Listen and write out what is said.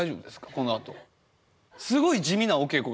このあと。